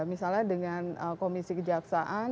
misalnya dengan komisi kejaksaan